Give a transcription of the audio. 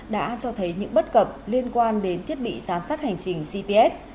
đã cho thấy những bất cập liên quan đến thiết bị giám sát hành trình gps